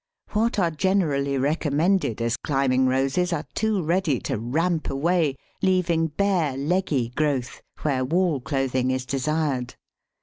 What are generally recommended as climbing Roses are too ready to ramp away, leaving bare, leggy growth where wall clothing is desired.